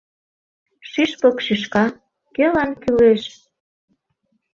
Шӱшпык шӱшка - кӧлан кӱлеш?